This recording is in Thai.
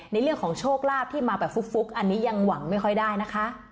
ในเรื่องของโชคลาภที่มาแบบฟุกอันนี้ยังหวังไม่ค่อยได้นะคะ